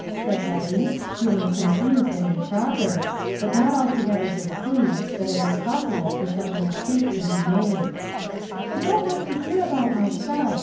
said Letty, feeling confused and improper, but not altogether displeased that it was possible for such a mistake to be made. "I don't want to hear about myself.